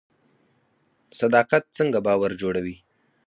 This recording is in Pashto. صداقت څنګه باور جوړوي؟